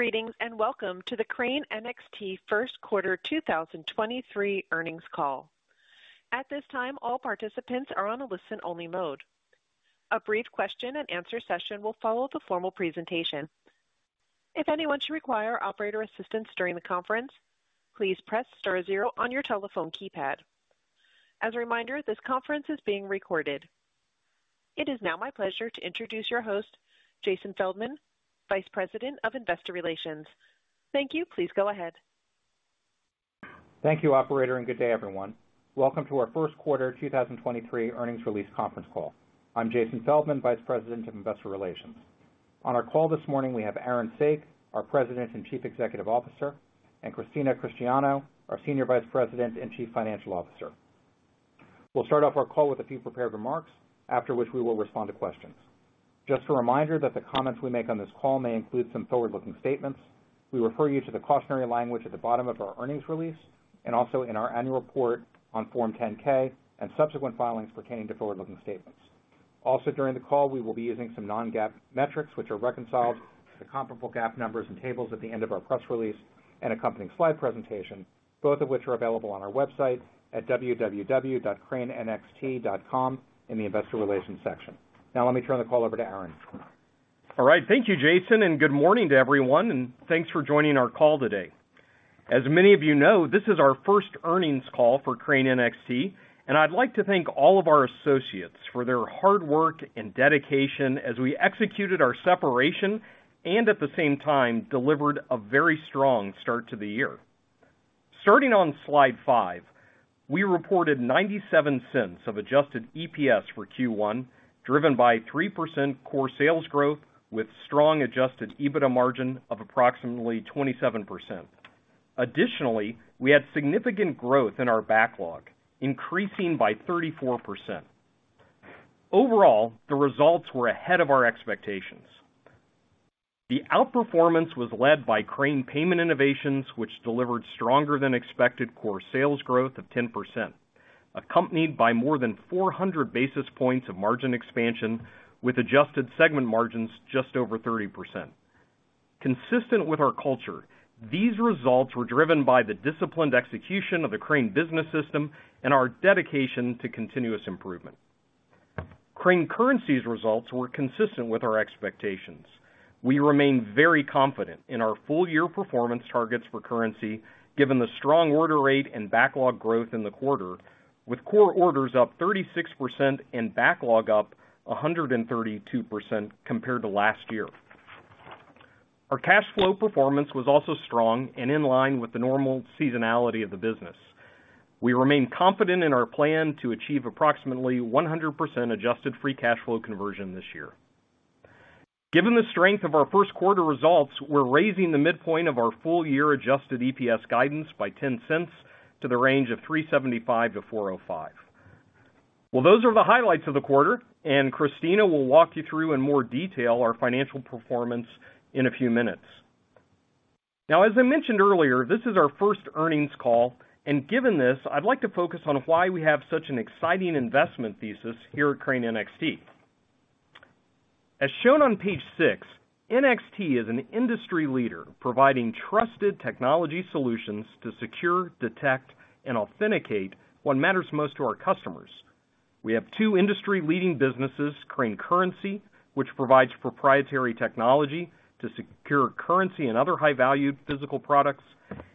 Greetings, welcome to the Crane NXT first quarter 2023 earnings call. At this time, all participants are on a listen only mode. A brief question and answer session will follow the formal presentation. If anyone should require operator assistance during the conference, please press star zero on your telephone keypad. As a reminder, this conference is being recorded. It is now my pleasure to introduce your host, Jason Feldman, Vice President of Investor Relations. Thank you. Please go ahead. Thank you, Operator, good day everyone. Welcome to our first quarter 2023 earnings release conference call. I'm Jason Feldman, Vice President of Investor Relations. On our call this morning, we have Aaron Saak, our President and Chief Executive Officer, and Christina Cristiano, our Senior Vice President and Chief Financial Officer. We'll start off our call with a few prepared remarks, after which we will respond to questions. Just a reminder that the comments we make on this call may include some forward-looking statements. We refer you to the cautionary language at the bottom of our earnings release and also in our annual report on Form 10-K and subsequent filings pertaining to forward-looking statements. During the call, we will be using some non-GAAP metrics which are reconciled to comparable GAAP numbers and tables at the end of our press release and accompanying slide presentation, both of which are available on our website at www.cranenxt.com in the investor relations section. Let me turn the call over to Aaron. All right. Thank you, Jason, and good morning to everyone, and thanks for joining our call today. As many of you know, this is our first earnings call for Crane NXT, and I'd like to thank all of our associates for their hard work and dedication as we executed our separation and at the same time delivered a very strong start to the year. Starting on slide 5, we reported $0.97 of adjusted EPS for Q1, driven by 3% core sales growth with strong adjusted EBITDA margin of approximately 27%. Additionally, we had significant growth in our backlog, increasing by 34%. Overall, the results were ahead of our expectations. The outperformance was led by Crane Payment Innovations, which delivered stronger than expected core sales growth of 10%, accompanied by more than 400 basis points of margin expansion with adjusted segment margins just over 30%. Consistent with our culture, these results were driven by the disciplined execution of the Crane Business System and our dedication to continuous improvement. Crane Currency's results were consistent with our expectationsWe remain very confident in our full year performance targets for currency, given the strong order rate and backlog growth in the quarter, with core orders up 36% and backlog up 132% compared to last year. Our cash flow performance was also strong and in line with the normal seasonality of the business. We remain confident in our plan to achieve approximately 100% adjusted free cash flow conversion this year. Given the strength of our first quarter results, we're raising the midpoint of our full year adjusted EPS guidance by $0.10 to the range of $3.75-$4.05. Well, those are the highlights of the quarter. Christina will walk you through in more detail our financial performance in a few minutes. Now, as I mentioned earlier, this is our first earnings call. Given this, I'd like to focus on why we have such an exciting investment thesis here at Crane NXT. As shown on page six, NXT is an industry leader providing trusted technology solutions to secure, detect, and authenticate what matters most to our customers. We have two industry-leading businesses, Crane Currency, which provides proprietary technology to secure currency and other high-value physical products,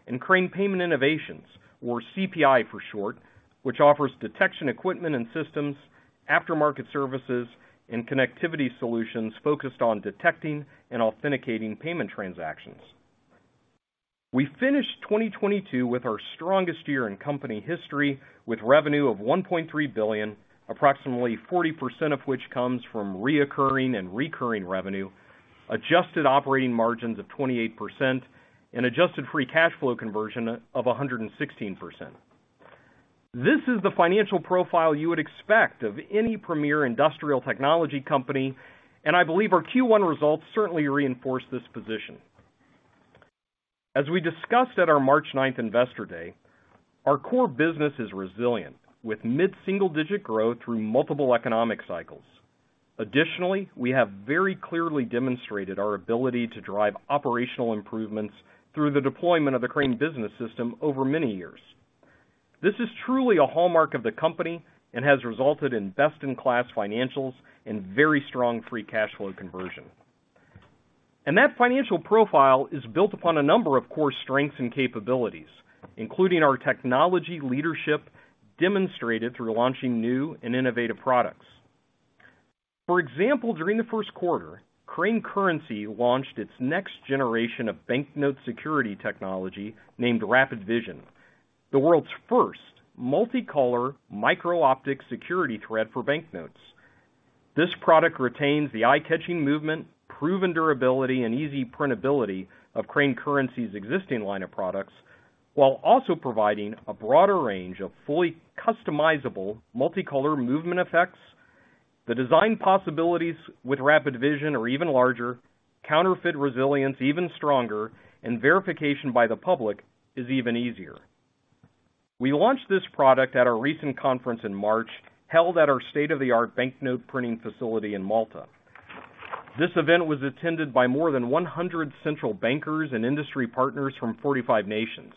and Crane Payment Innovations, or CPI for short, which offers detection equipment and systems, aftermarket services, and connectivity solutions focused on detecting and authenticating payment transactions. We finished 2022 with our strongest year in company history with revenue of $1.3 billion, approximately 40% of which comes from reoccurring and recurring revenue, adjusted operating margins of 28% and adjusted free cash flow conversion of 116%. This is the financial profile you would expect of any premier industrial technology company, I believe our Q1 results certainly reinforce this position. As we discussed at our March ninth investor day, our core business is resilient, with mid-single-digit growth through multiple economic cycles. Additionally, we have very clearly demonstrated our ability to drive operational improvements through the deployment of the Crane Business System over many years. This is truly a hallmark of the company and has resulted in best-in-class financials and very strong free cash flow conversion. That financial profile is built upon a number of core strengths and capabilities, including our technology leadership demonstrated through launching new and innovative products. For example, during the first quarter, Crane Currency launched its next generation of banknote security technology named RAPID Vision, the world's first multicolor micro-optic security thread for banknotes. This product retains the eye-catching movement, proven durability, and easy printability of Crane Currency's existing line of products, while also providing a broader range of fully customizable multicolor movement effects. The design possibilities with RAPID Vision are even larger, counterfeit resilience even stronger, and verification by the public is even easier. We launched this product at our recent conference in March, held at our state-of-the-art banknote printing facility in Malta. This event was attended by more than 100 central bankers and industry partners from 45 nations.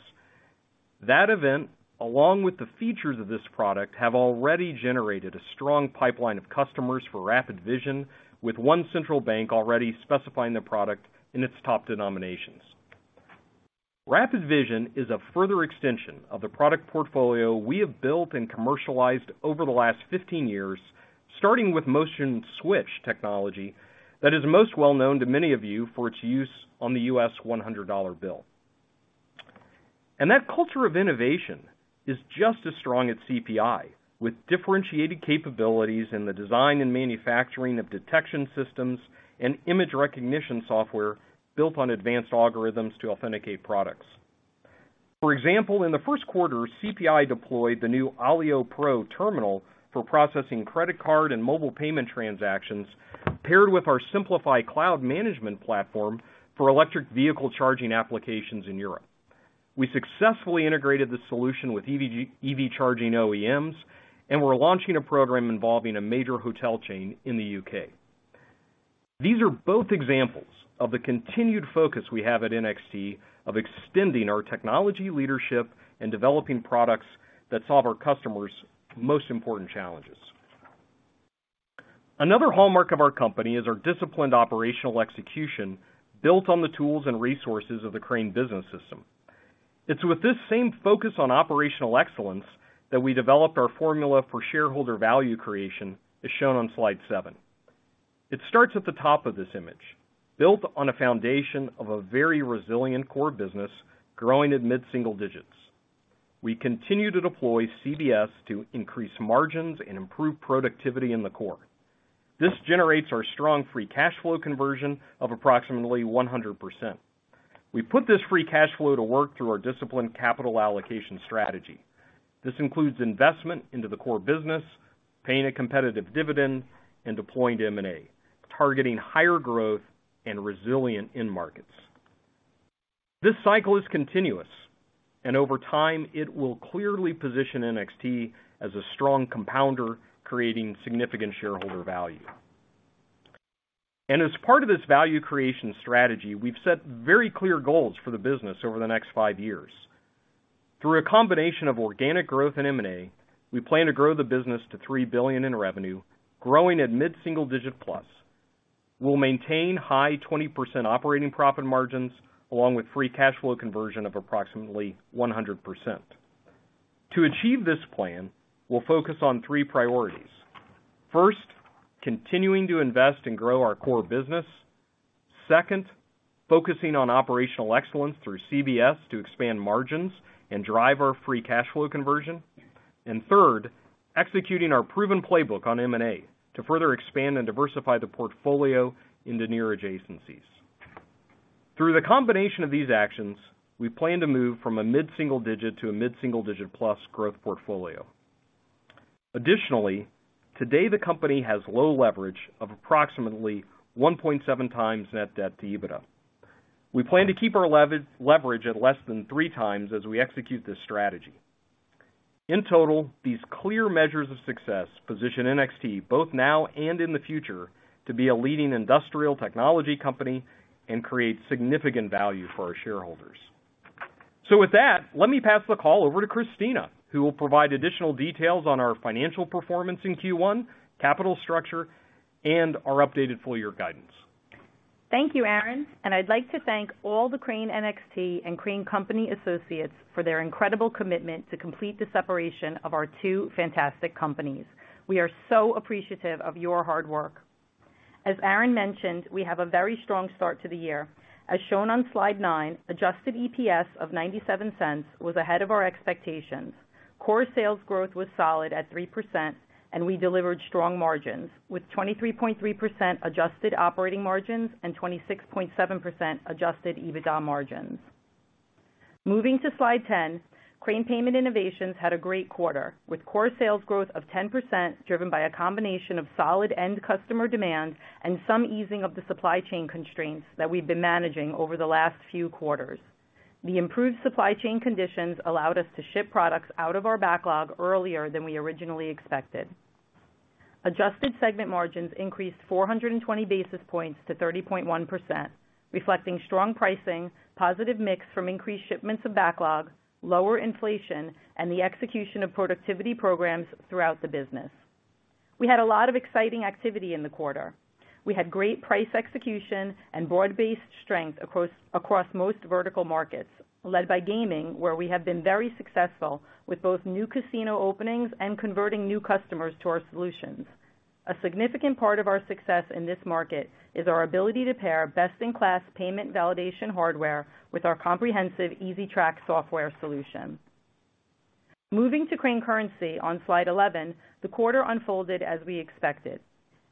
That event, along with the features of this product, have already generated a strong pipeline of customers for RAPID Vision, with 1 central bank already specifying the product in its top denominations. RAPID Vision is a further extension of the product portfolio we have built and commercialized over the last 15 years, starting with MOTION Switch technology that is most well known to many of you for its use on the U.S. $100 bill. That culture of innovation is just as strong at CPI, with differentiated capabilities in the design and manufacturing of detection systems and image recognition software built on advanced algorithms to authenticate products. For example, in the first quarter, CPI deployed the new ALIO PRO terminal for processing credit card and mobile payment transactions paired with our Simplify cloud management platform for electric vehicle charging applications in Europe. We successfully integrated the solution with EV charging OEMs, and we're launching a program involving a major hotel chain in the U.K. These are both examples of the continued focus we have at NXT of extending our technology leadership and developing products that solve our customers' most important challenges. Another hallmark of our company is our disciplined operational execution built on the tools and resources of the Crane Business System. It's with this same focus on operational excellence that we develop our formula for shareholder value creation, as shown on slide 7. It starts at the top of this image, built on a foundation of a very resilient core business growing at mid-single digits. We continue to deploy CBS to increase margins and improve productivity in the core. This generates our strong free cash flow conversion of approximately 100%. We put this free cash flow to work through our disciplined capital allocation strategy. This includes investment into the core business, paying a competitive dividend, and deploying to M&A, targeting higher growth and resilient end markets. This cycle is continuous. Over time, it will clearly position NXT as a strong compounder, creating significant shareholder value. As part of this value creation strategy, we've set very clear goals for the business over the next 5 years. Through a combination of organic growth and M&A, we plan to grow the business to $3 billion in revenue, growing at mid-single digit plus. We'll maintain high 20% operating profit margins, along with free cash flow conversion of approximately 100%. To achieve this plan, we'll focus on three priorities. First, continuing to invest and grow our core business. Second, focusing on operational excellence through CBS to expand margins and drive our free cash flow conversion. Third, executing our proven playbook on M&A to further expand and diversify the portfolio into near adjacencies. Through the combination of these actions, we plan to move from a mid-single digit to a mid-single digit plus growth portfolio. Additionally, today the company has low leverage of approximately 1.7x net debt to EBITDA. We plan to keep our leverage at less than three times as we execute this strategy. In total, these clear measures of success position NXT both now and in the future to be a leading industrial technology company and create significant value for our shareholders. With that, let me pass the call over to Christina, who will provide additional details on our financial performance in Q1, capital structure, and our updated full year guidance. Thank you, Aaron, I'd like to thank all the Crane NXT and Crane Company associates for their incredible commitment to complete the separation of our two fantastic companies. We are so appreciative of your hard work. As Aaron mentioned, we have a very strong start to the year. As shown on slide 9, adjusted EPS of $0.97 was ahead of our expectations. Core sales growth was solid at 3%, and we delivered strong margins, with 23.3% adjusted operating margins and 26.7% adjusted EBITDA margins. Moving to slide 10, Crane Payment Innovations had a great quarter, with core sales growth of 10%, driven by a combination of solid end customer demand and some easing of the supply chain constraints that we've been managing over the last few quarters. The improved supply chain conditions allowed us to ship products out of our backlog earlier than we originally expected. Adjusted segment margins increased 420 basis points to 30.1%, reflecting strong pricing, positive mix from increased shipments of backlog, lower inflation, and the execution of productivity programs throughout the business. We had a lot of exciting activity in the quarter. We had great price execution and broad-based strength across most vertical markets, led by gaming, where we have been very successful with both new casino openings and converting new customers to our solutions. A significant part of our success in this market is our ability to pair best-in-class payment validation hardware with our comprehensive Easitrax software solution. Moving to Crane Currency on slide 11, the quarter unfolded as we expected.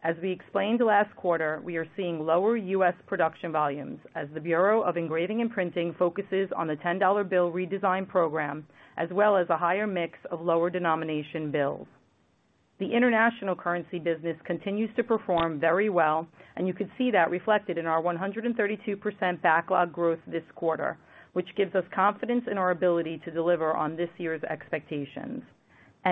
As we explained last quarter, we are seeing lower U.S. production volumes as the Bureau of Engraving and Printing focuses on the $10 bill redesign program, as well as a higher mix of lower denomination bills. The international currency business continues to perform very well, and you can see that reflected in our 132% backlog growth this quarter, which gives us confidence in our ability to deliver on this year's expectations.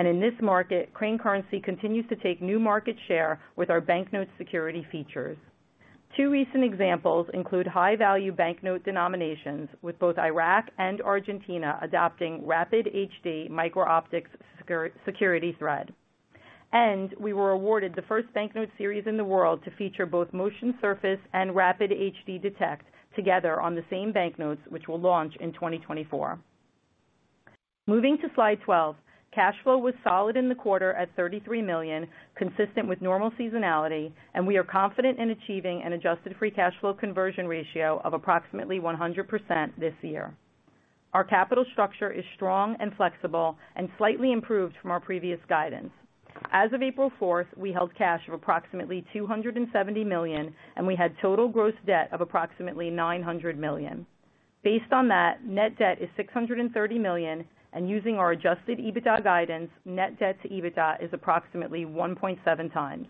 In this market, Crane Currency continues to take new market share with our banknote security features. Two recent examples include high-value banknote denominations, with both Iraq and Argentina adopting RAPID HD micro-optic security thread. We were awarded the first banknote series in the world to feature both MOTION SURFACE and RAPID HD Detect together on the same banknotes, which will launch in 2024. Moving to slide 12. Cash flow was solid in the quarter at $33 million, consistent with normal seasonality, we are confident in achieving an adjusted free cash flow conversion ratio of approximately 100% this year. Our capital structure is strong and flexible and slightly improved from our previous guidance. As of April 4th, we held cash of approximately $270 million, and we had total gross debt of approximately $900 million. Based on that, net debt is $630 million, and using our adjusted EBITDA guidance, net debt to EBITDA is approximately 1.7 times.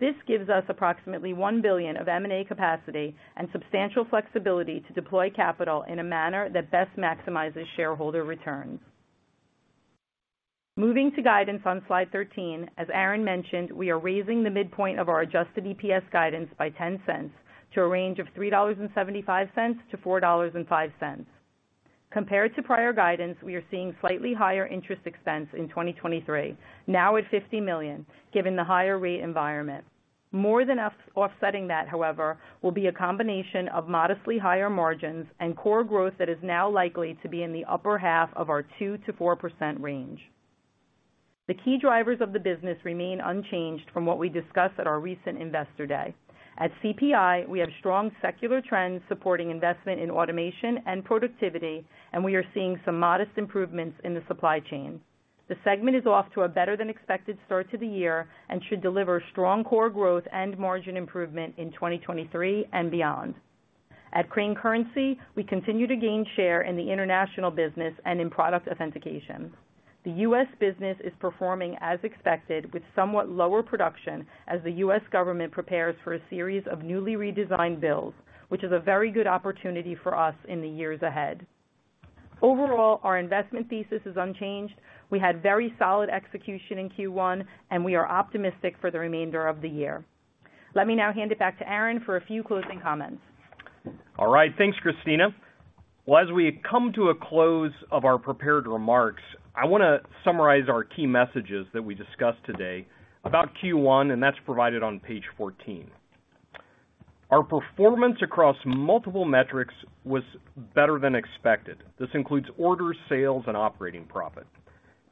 This gives us approximately $1 billion of M&A capacity and substantial flexibility to deploy capital in a manner that best maximizes shareholder returns. Moving to guidance on slide 13. As Aaron mentioned, we are raising the midpoint of our adjusted EPS guidance by $0.10 to a range of $3.75 to $4.05. Compared to prior guidance, we are seeing slightly higher interest expense in 2023, now at $50 million, given the higher rate environment. More than offsetting that, however, will be a combination of modestly higher margins and core growth that is now likely to be in the upper half of our 2%-4% range. The key drivers of the business remain unchanged from what we discussed at our recent Investor Day. At CPI, we have strong secular trends supporting investment in automation and productivity, we are seeing some modest improvements in the supply chain. The segment is off to a better than expected start to the year and should deliver strong core growth and margin improvement in 2023 and beyond. At Crane Currency, we continue to gain share in the international business and in product authentication. The U.S. business is performing as expected with somewhat lower production as the U.S. Government prepares for a series of newly redesigned bills, which is a very good opportunity for us in the years ahead. Our investment thesis is unchanged. We had very solid execution in Q1, and we are optimistic for the remainder of the year. Let me now hand it back to Aaron for a few closing comments. All right. Thanks, Christina. Well, as we come to a close of our prepared remarks, I wanna summarize our key messages that we discussed today about Q1, and that's provided on page 14. Our performance across multiple metrics was better than expected. This includes orders, sales, and operating profit.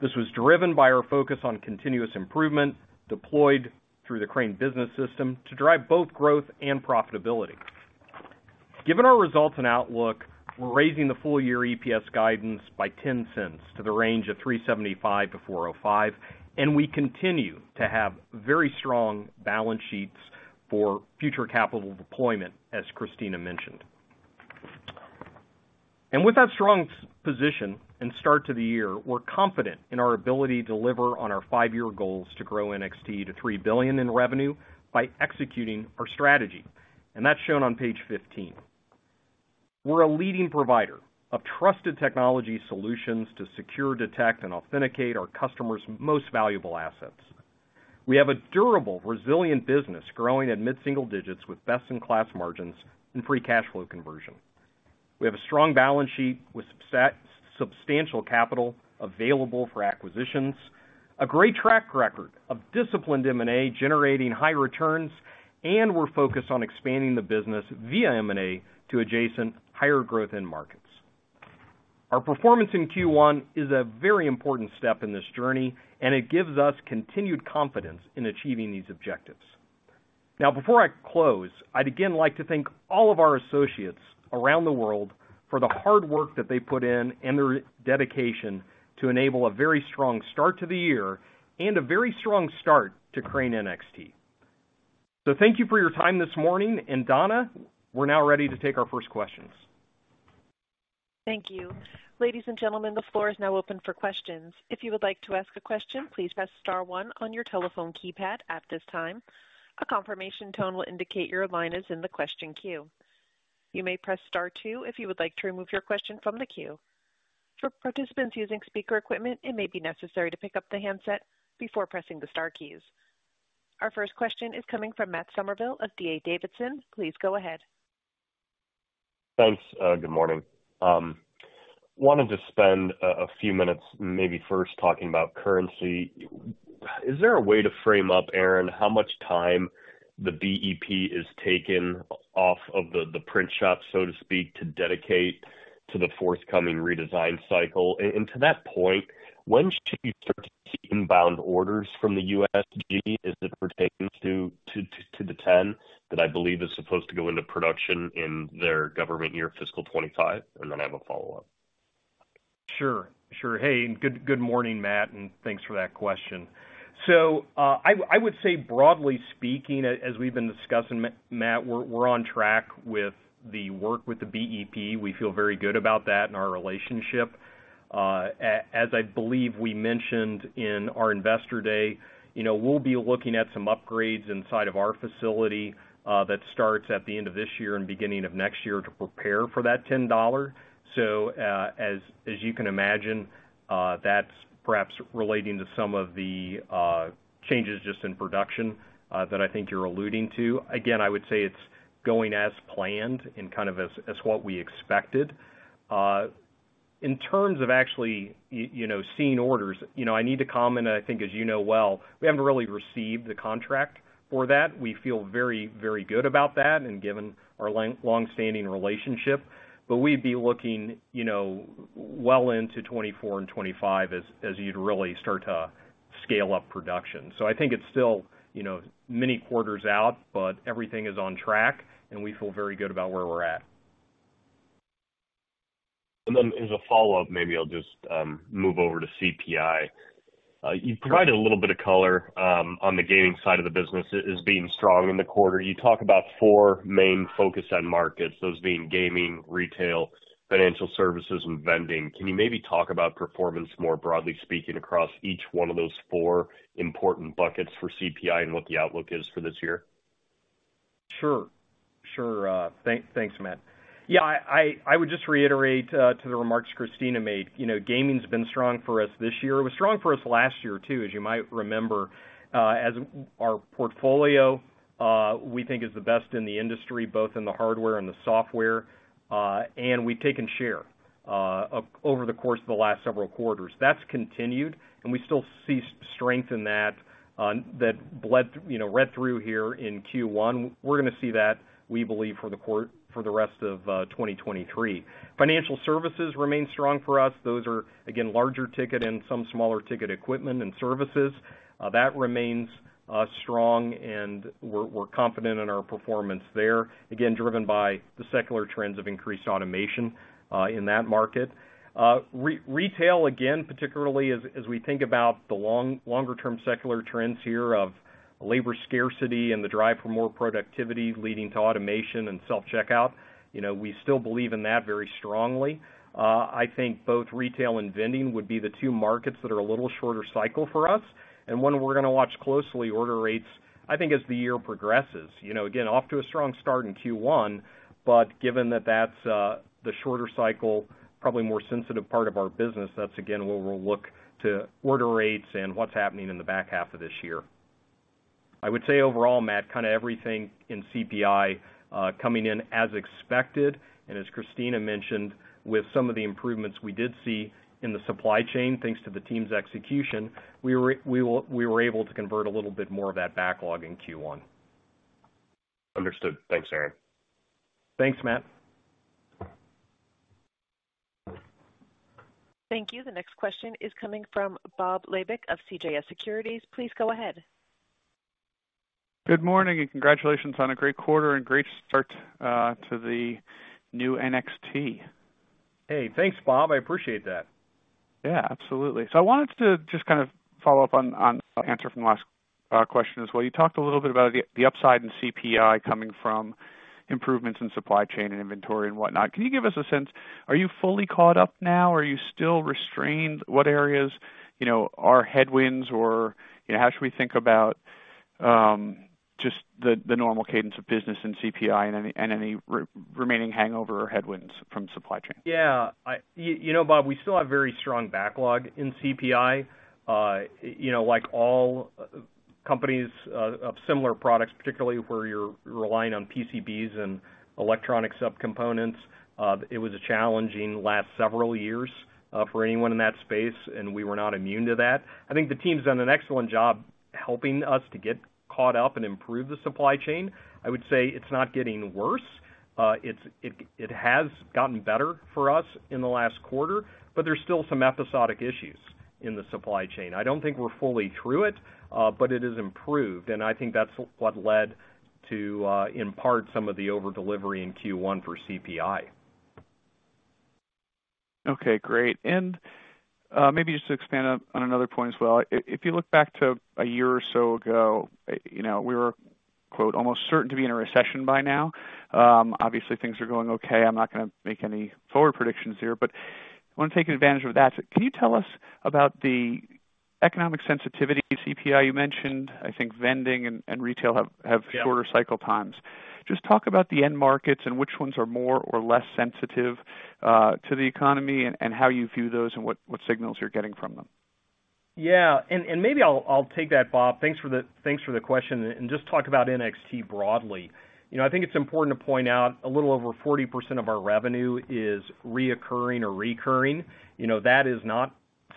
This was driven by our focus on continuous improvement deployed through the Crane Business System to drive both growth and profitability. Given our results and outlook, we're raising the full-year EPS guidance by $0.10 to the range of $3.75 to $4.05, and we continue to have very strong balance sheets for future capital deployment, as Christina mentioned. With that strong position and start to the year, we're confident in our ability to deliver on our 5-year goals to grow NXT to $3 billion in revenue by executing our strategy. That's shown on page 15. We're a leading provider of trusted technology solutions to secure, detect, and authenticate our customers' most valuable assets. We have a durable, resilient business growing at mid-single digits with best-in-class margins and free cash flow conversion. We have a strong balance sheet with substantial capital available for acquisitions, a great track record of disciplined M&A generating high returns, and we're focused on expanding the business via M&A to adjacent higher growth end markets. Our performance in Q1 is a very important step in this journey. It gives us continued confidence in achieving these objectives. Before I close, I'd again like to thank all of our associates around the world for the hard work that they put in and their dedication to enable a very strong start to the year and a very strong start to Crane NXT. Thank you for your time this morning. Donna, we're now ready to take our first questions. Thank you. Ladies and gentlemen, the floor is now open for questions. If you would like to ask a question, please press star one on your telephone keypad at this time. A confirmation tone will indicate your line is in the question queue. You may press star two if you would like to remove your question from the queue. For participants using speaker equipment, it may be necessary to pick up the handset before pressing the star keys. Our first question is coming from Matt Summerville of D.A. Davidson. Please go ahead. Thanks. Good morning. Wanted to spend a few minutes maybe first talking about currency. Is there a way to frame up, Aaron, how much time the BEP is taken off of the print shop, so to speak, to dedicate to the forthcoming redesign cycle? To that point, when should you start to see inbound orders from the USG as it pertains to the 10 that I believe is supposed to go into production in their government year fiscal 25? Then I have a follow-up. Sure. Sure. Hey, good morning, Matt, Thanks for that question. I would say, broadly speaking, as we've been discussing, Matt, we're on track with the work with the BEP. We feel very good about that and our relationship. As I believe we mentioned in our Investor Day, you know, we'll be looking at some upgrades inside of our facility that starts at the end of this year and beginning of next year to prepare for that $10. As you can imagine, that's perhaps relating to some of the changes just in production that I think you're alluding to. Again, I would say it's going as planned and kind of as what we expected. In terms of actually, you know, seeing orders, you know, I need to comment, and I think as you know well, we haven't really received the contract for that. We feel very, very good about that and given our long-standing relationship. We'd be looking, you know, well into 2024 and 2025 as you'd really start to scale up production. I think it's still, you know, many quarters out, but everything is on track, and we feel very good about where we're at. As a follow-up, maybe I'll just move over to CPI. You provided a little bit of color on the gaming side of the business as being strong in the quarter. You talk about four main focus on markets, those being gaming, retail, financial services, and vending. Can you maybe talk about performance more broadly speaking across each one of those four important buckets for CPI and what the outlook is for this year? Sure. Sure. Thanks, Matt. Yeah, I would just reiterate to the remarks Christina made. You know, gaming's been strong for us this year. It was strong for us last year too, as you might remember. As our portfolio, we think is the best in the industry, both in the hardware and the software, and we've taken share over the course of the last several quarters. That's continued, and we still see strength in that bled, you know, read through here in Q1. We're gonna see that, we believe, for the rest of 2023. Financial services remain strong for us. Those are, again, larger ticket and some smaller ticket equipment and services. That remains strong, and we're confident in our performance there, again, driven by the secular trends of increased automation in that market. Re-retail, again, particularly as we think about the longer term secular trends here of labor scarcity and the drive for more productivity leading to automation and self-checkout, you know, we still believe in that very strongly. I think both retail and vending would be the 2 markets that are a little shorter cycle for us, and one we're gonna watch closely order rates, I think, as the year progresses. You know, again, off to a strong start in Q1, but given that that's the shorter cycle, probably more sensitive part of our business, that's again where we'll look to order rates and what's happening in the back half of this year. I would say overall, Matt, kind of everything in CPI, coming in as expected. As Christina mentioned, with some of the improvements we did see in the supply chain, thanks to the team's execution, we were able to convert a little bit more of that backlog in Q1. Understood. Thanks, Aaron. Thanks, Matt. Thank you. The next question is coming from Bob Labick of CJS Securities. Please go ahead. Good morning, and congratulations on a great quarter and great start, to the new NXT. Hey, thanks, Bob. I appreciate that. Yeah, absolutely. I wanted to just kind of follow up on answer from last question as well. You talked a little bit about the upside in CPI coming from improvements in supply chain and inventory and whatnot. Can you give us a sense, are you fully caught up now? Are you still restrained? What areas, you know, are headwinds or, you know, how should we think about just the normal cadence of business in CPI and any remaining hangover or headwinds from supply chain? You know, Bob, we still have very strong backlog in CPI. You know, like all companies of similar products, particularly where you're relying on PCBs and electronic subcomponents, it was a challenging last several years for anyone in that space, and we were not immune to that. I think the team's done an excellent job helping us to get caught up and improve the supply chain. I would say it's not getting worse. It has gotten better for us in the last quarter, but there's still some episodic issues in the supply chain. I don't think we're fully through it, but it has improved, and I think that's what led to, in part, some of the over-delivery in Q1 for CPI. Okay, great. Maybe just to expand on another point as well. If, if you look back to a year or so ago, you know, we were, quote, "almost certain to be in a recession by now." Obviously, things are going okay. I'm not gonna make any forward predictions here, but I wanna take advantage of that. Can you tell us about the economic sensitivity CPI you mentioned? I think vending and retail have shorter cycle times. Just talk about the end markets and which ones are more or less sensitive, to the economy and how you view those and what signals you're getting from them. Yeah. Maybe I'll take that, Bob Labick. Thanks for the question, just talk about NXT broadly. You know, I think it's important to point out a little over 40% of our revenue is reoccurring or recurring. You know, that is not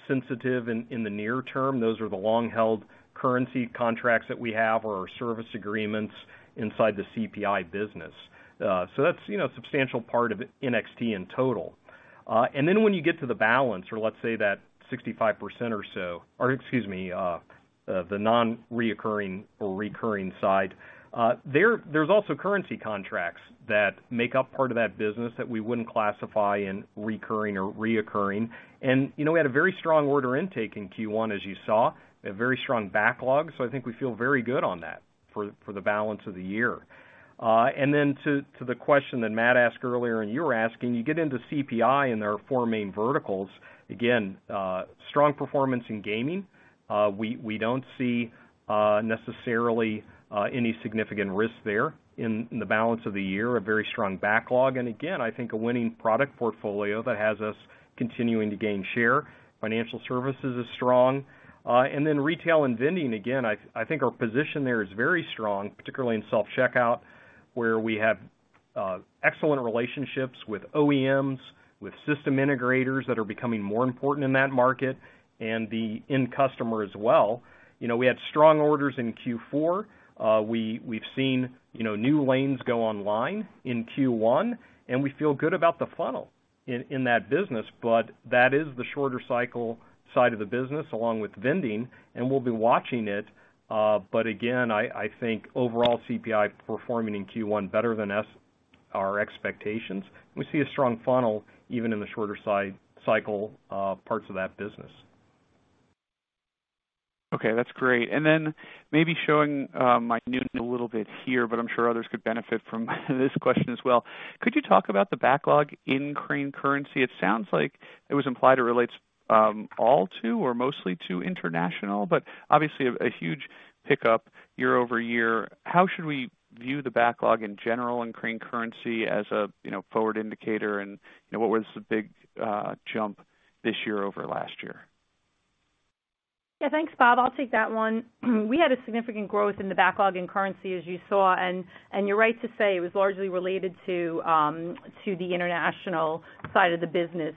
sensitive in the near term. Those are the long-held currency contracts that we have or our service agreements inside the CPI business. That's, you know, a substantial part of NXT in total. When you get to the balance, or let's say that 65% or so, or excuse me, the non-reoccurring or recurring side, there's also currency contracts that make up part of that business that we wouldn't classify in recurring or reoccurring. You know, we had a very strong order intake in Q1, as you saw, a very strong backlog. I think we feel very good on that for the balance of the year. To the question that Matt asked earlier, and you were asking, you get into CPI in our four main verticals. Again, strong performance in gaming. We don't see, necessarily, any significant risk there in the balance of the year, a very strong backlog. Again, I think a winning product portfolio that has us continuing to gain share, financial services is strong. Retail and vending, again, I think our position there is very strong, particularly in self-checkout, where we have excellent relationships with OEMs, with system integrators that are becoming more important in that market and the end customer as well. You know, we had strong orders in Q4. We've seen, you know, new lanes go online in Q1. We feel good about the funnel in that business. That is the shorter cycle side of the business along with vending. We'll be watching it. Again, I think overall CPI performing in Q1 better than our expectations. We see a strong funnel even in the shorter cycle parts of that business. Okay, that's great. Maybe showing my newness a little bit here, but I'm sure others could benefit from this question as well. Could you talk about the backlog in Crane Currency? It sounds like it was implied it relates all to or mostly to international, but obviously a huge pickup year-over-year. How should we view the backlog in general and Crane Currency as a, you know, forward indicator? You know, what was the big jump this year over last year? Yeah, thanks, Bob Labick. I'll take that one. We had a significant growth in the backlog and currency, as you saw, and you're right to say it was largely related to the international side of the business.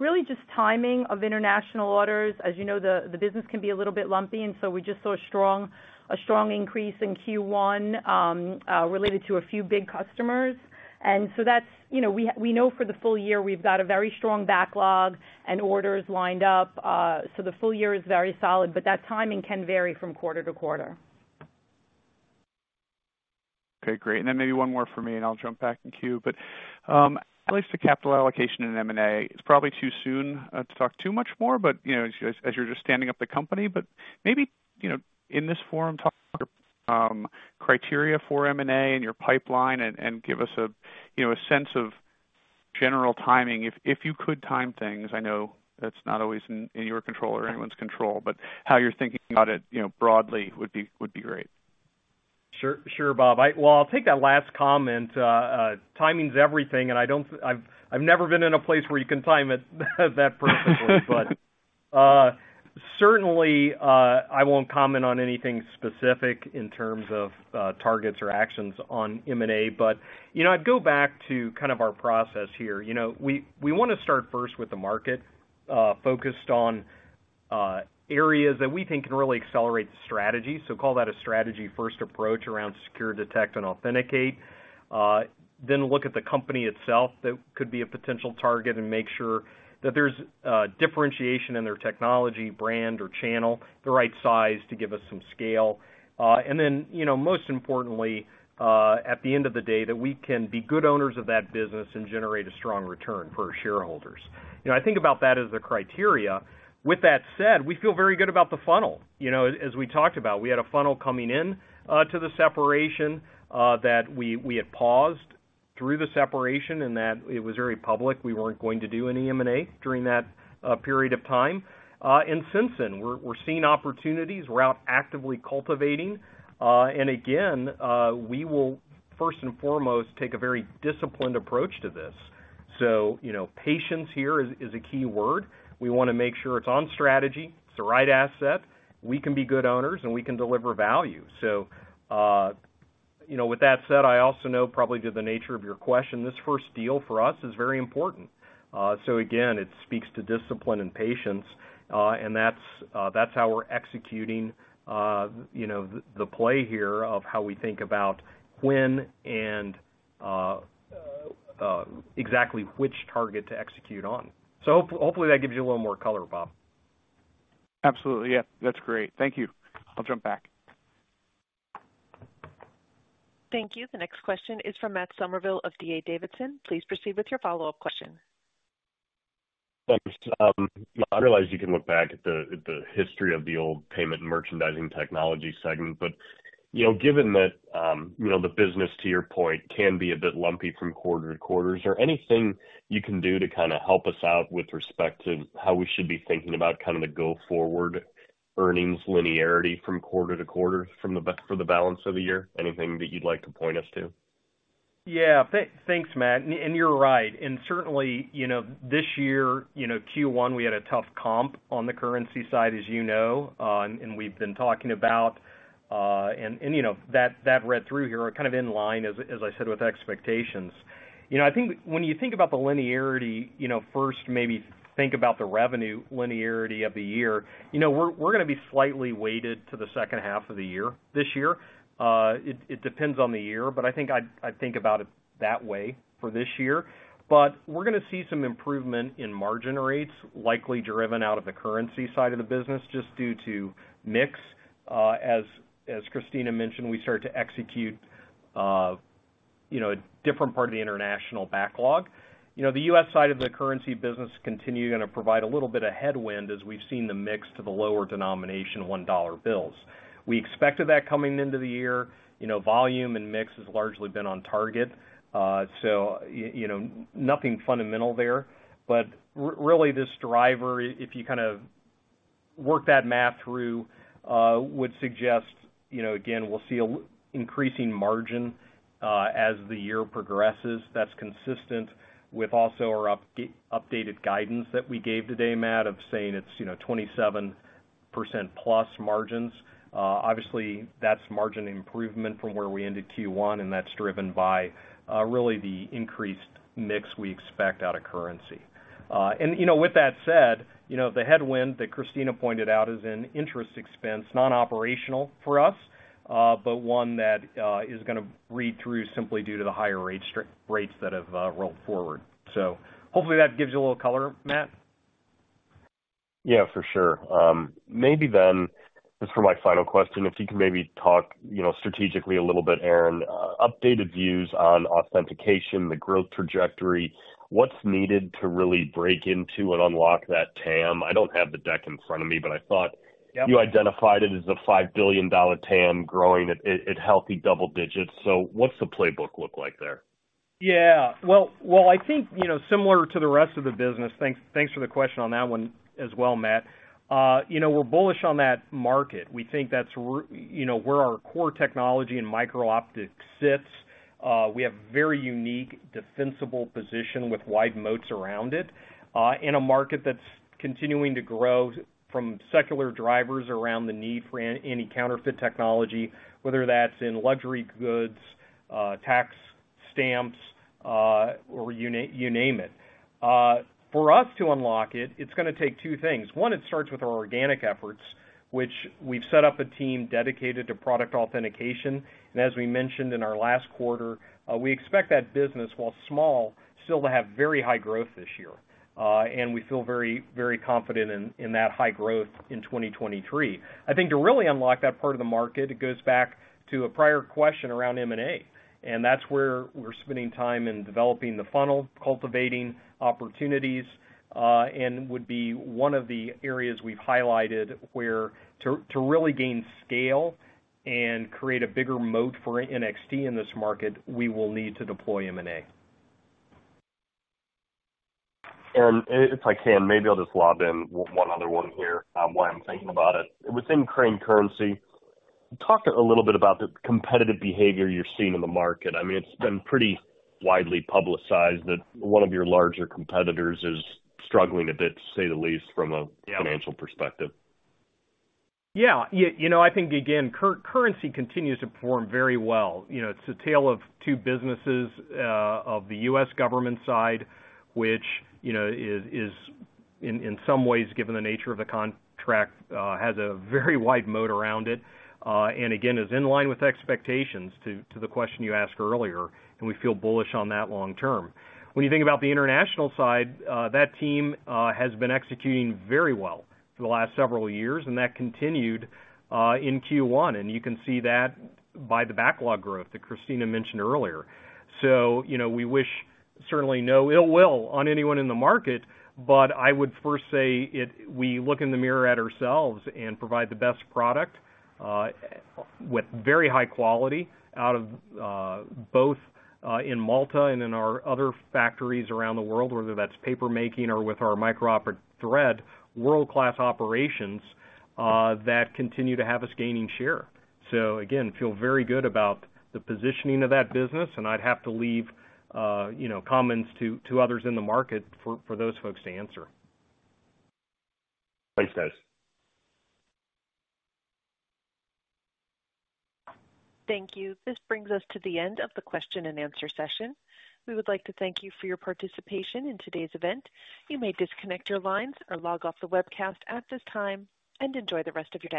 Really just timing of international orders. As you know, the business can be a little bit lumpy, and so we just saw a strong increase in Q1 related to a few big customers. That's, you know. We know for the full year we've got a very strong backlog and orders lined up. The full year is very solid, but that timing can vary from quarter to quarter. Okay, great. And then maybe one more for me, and I'll jump back in queue. At least the capital allocation in M&A, it's probably too soon, to talk too much more, but, you know, as you're just standing up the company, but maybe, you know, in this forum, talk, criteria for M&A and your pipeline and give us a, you know, a sense of general timing, if you could time things. I know that's not always in your control or anyone's control, but how you're thinking about it, you know, broadly would be, would be great. Sure. Sure, Bob. Well, I'll take that last comment. Timing's everything, and I've never been in a place where you can time it that perfectly. Certainly, I won't comment on anything specific in terms of targets or actions on M&A. You know, I'd go back to kind of our process here. You know, we wanna start first with the market, focused on areas that we think can really accelerate the strategy. Call that a strategy first approach around secure, detect, and authenticate. Look at the company itself that could be a potential target and make sure that there's differentiation in their technology, brand or channel, the right size to give us some scale. Then, you know, most importantly, at the end of the day, that we can be good owners of that business and generate a strong return for our shareholders. You know, I think about that as a criteria. With that said, we feel very good about the funnel. You know, as we talked about, we had a funnel coming in to the separation, that we had paused through the separation, and that it was very public. We weren't going to do any M&A during that period of time. Since then, we're seeing opportunities. We're out actively cultivating. Again, we will first and foremost take a very disciplined approach to this. You know, patience here is a key word. We wanna make sure it's on strategy, it's the right asset, we can be good owners, and we can deliver value. You know, with that said, I also know probably to the nature of your question, this first deal for us is very important. Again, it speaks to discipline and patience. And that's how we're executing, you know, the play here of how we think about when and, exactly which target to execute on. Hopefully, that gives you a little more color, Bob. Absolutely. Yeah. That's great. Thank you. I'll jump back. Thank you. The next question is from Matt Summerville of D.A. Davidson. Please proceed with your follow-up question. Thanks. I realize you can look back at the history of the old payment and merchandising technology segment, but, you know, given that, you know, the business, to your point, can be a bit lumpy from quarter to quarter, is there anything you can do to kind of help us out with respect to how we should be thinking about kind of the go-forward earnings linearity from quarter-to-quarter for the balance of the year? Anything that you'd like to point us to? Yeah. Thanks, Matt, and you're right. Certainly, you know, this year, you know, Q1, we had a tough comp on the currency side, as you know, and we've been talking about, and, you know, that read through here are kind of in line, as I said, with expectations. You know, I think when you think about the linearity, you know, first maybe think about the revenue linearity of the year. You know, we're gonna be slightly weighted to the second half of the year this year. It depends on the year, but I think I'd think about it that way for this year. We're gonna see some improvement in margin rates, likely driven out of the currency side of the business, just due to mix. As Christina mentioned, we start to execute, you know, a different part of the international backlog. You know, the U.S. side of the currency business continue gonna provide a little bit of headwind as we've seen the mix to the lower denomination $1 bills. We expected that coming into the year. You know, volume and mix has largely been on target, so, you know, nothing fundamental there. Really this driver, if you kind of work that math through, would suggest, you know, again, we'll see increasing margin as the year progresses. That's consistent with also our updated guidance that we gave today, Matt, of saying it's, you know, 27%+ margins. Obviously that's margin improvement from where we ended Q1, that's driven by really the increased mix we expect out of currency. You know, with that said, you know, the headwind that Christina pointed out is in interest expense, non-operational for us, but one that is gonna read through simply due to the higher rates that have rolled forward. Hopefully that gives you a little color, Matt. For sure. Maybe then just for my final question, if you can maybe talk, you know, strategically a little bit, Aaron, updated views on authentication, the growth trajectory, what's needed to really break into and unlock that TAM? I don't have the deck in front of me, but I thought. Yep. You identified it as a $5 billion TAM growing at healthy double digits. What's the playbook look like there? Yeah. Well, I think, you know, similar to the rest of the business. Thanks for the question on that one as well, Matt. You know, we're bullish on that market. We think that's you know, where our core technology and microoptics sits. We have very unique defensible position with wide moats around it, in a market that's continuing to grow from secular drivers around the need for any counterfeit technology, whether that's in luxury goods, tax stamps, or you name it. For us to unlock it's gonna take 2 things. 1, it starts with our organic efforts, which we've set up a team dedicated to product authentication. As we mentioned in our last quarter, we expect that business, while small, still to have very high growth this year. We feel very, very confident in that high growth in 2023. I think to really unlock that part of the market, it goes back to a prior question around M&A, and that's where we're spending time in developing the funnel, cultivating opportunities, and would be one of the areas we've highlighted where to really gain scale and create a bigger moat for NXT in this market, we will need to deploy M&A. If I can, maybe I'll just lob in one other one here, while I'm thinking about it. Within Crane Currency, talk a little bit about the competitive behavior you're seeing in the market. I mean, it's been pretty widely publicized that one of your larger competitors is struggling a bit, to say the least. Yeah. -financial perspective. Yeah. You know, I think, again, currency continues to perform very well. You know, it's a tale of two businesses of the U.S. Government side, which, you know, is in some ways, given the nature of the contract, has a very wide moat around it, and again, is in line with expectations to the question you asked earlier, and we feel bullish on that long term. When you think about the international side, that team has been executing very well for the last several years, and that continued in Q1. You can see that by the backlog growth that Christina mentioned earlier. You know, we wish certainly no ill will on anyone in the market, but I would first say we look in the mirror at ourselves and provide the best product, with very high quality out of, both, in Malta and in our other factories around the world, whether that's paper making or with our micro-optic security thread, world-class operations, that continue to have us gaining share. Again, feel very good about the positioning of that business, and I'd have to leave, you know, comments to others in the market for those folks to answer. Thanks, guys. Thank you. This brings us to the end of the question and answer session. We would like to thank you for your participation in today's event. You may disconnect your lines or log off the webcast at this time, and enjoy the rest of your day.